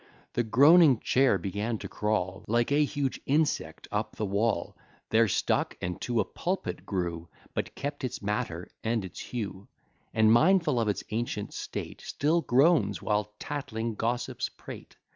The groaning chair began to crawl, Like a huge insect, up the wall; There stuck, and to a pulpit grew, But kept its matter and its hue, And mindful of its ancient state, Still groans while tattling gossips prate.